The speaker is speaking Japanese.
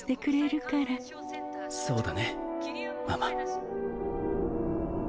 そうだねママ。